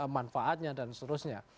manfaatnya dan seterusnya